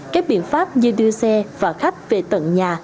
các biện pháp như đưa xe và khách về tận nhà